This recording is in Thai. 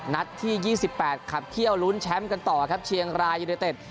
นัดที่๒๘ขับเขี้ยวลุ้นแชมป์กันต่อครับเชียงรายยูเนเต็ด